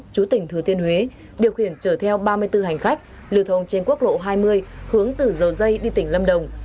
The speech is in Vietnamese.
chú tỉnh thừa thiên huế điều khiển chở theo ba mươi bốn hành khách lưu thông trên quốc lộ hai mươi hướng từ dầu dây đi tỉnh lâm đồng